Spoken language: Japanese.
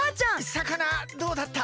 さかなどうだった？